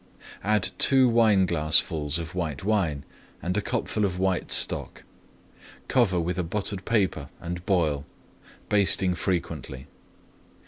Add two wineglassfuls of white wine and a cupful of white stock. Cover with a buttered paper and boil, basting frequently.